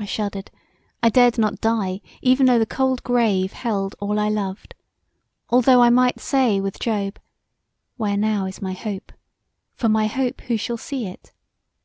I shuddered; I dared not die even though the cold grave held all I loved; although I might say with Job Where is now my hope? For my hope who shall see it?